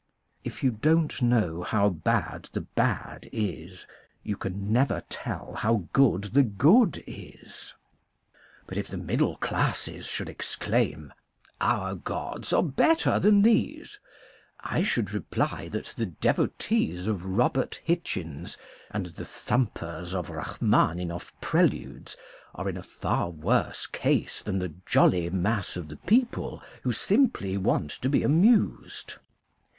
If you don't know how bad the bad is you can never tell how good the good is. But if the middle classes should exclaim " Our gods are better than these," I should reply that the devotees of Robert Hichens and the thumpers of Rachmaninoff preludes are in a far worse case than the jolly mass of the people who simply want to be amused.